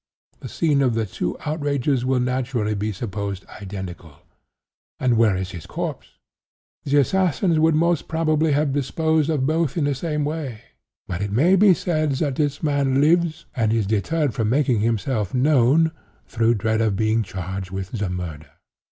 The scene of the two outrages will naturally be supposed identical. And where is his corpse? The assassins would most probably have disposed of both in the same way. But it may be said that this man lives, and is deterred from making himself known, through dread of being charged with the murder.